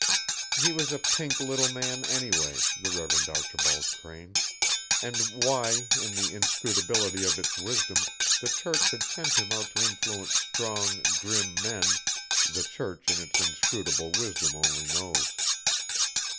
He was a pink little man, anyway, the Reverend Archibald Crane, and why, in the inscrutability of its wisdom, the Church had sent him out to influence strong, grim men, the Church in its inscrutable wisdom only knows.